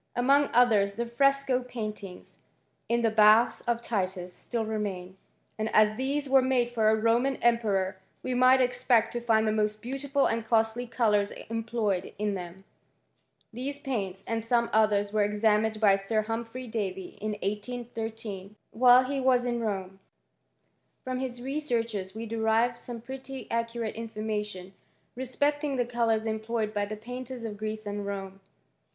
Among others the fresco pain in the baths of Titus, still remain ; and as liiese made for a Roman emperor, we might expect to the most beautiful and costly colours employed them. These paints, and some others, were examin by Sir Humphrey Davy, in 1813, while he wat Rome. From his researches we derive some pi accurate information respecting the colours emp by the painters of Greece and Rome.